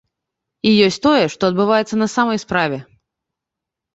І ёсць тое, што адбываецца на самай справе.